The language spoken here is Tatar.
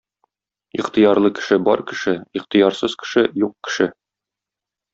Ихтыярлы кеше — бар кеше, ихтыярсыз кеше — юк кеше.